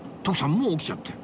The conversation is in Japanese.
もう起きちゃって